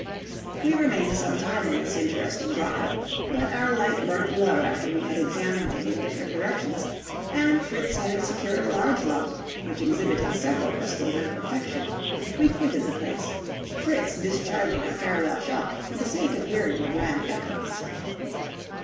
We remained some time in this interesting grotto, but our light burnt low after we had examined it in different directions; and Fritz having secured a large lump, which exhibited several crystals in perfection, we quitted the place, Fritz discharging a farewell shot for the sake of hearing the grand echoes.